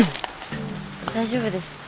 大丈夫です。